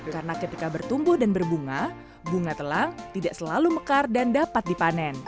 karena ketika bertumbuh dan berbunga bunga telang tidak selalu mekar dan dapat dipanen